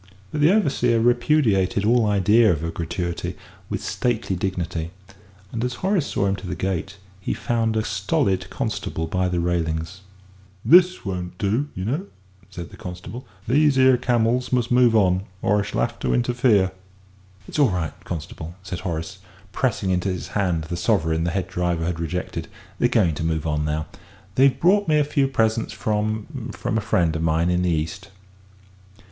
But the overseer repudiated all idea of a gratuity with stately dignity, and as Horace saw him to the gate, he found a stolid constable by the railings. "This won't do, you know," said the constable; "these 'ere camels must move on or I shall 'ave to interfere." "It's all right, constable," said Horace, pressing into his hand the sovereign the head driver had rejected; "they're going to move on now. They've brought me a few presents from from a friend of mine in the East."